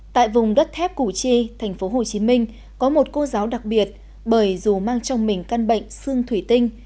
tại vùng đất thép củ chi thành phố hồ chí minh có một cô giáo đặc biệt bởi dù mang trong mình căn bệnh xương thủy tinh